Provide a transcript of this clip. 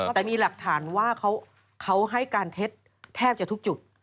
แต่มีหลักฐานว่าเขาให้การเท็จแทบจะทุกจุด